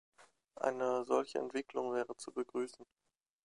Eine solche Entwicklung wäre zu begrüßen.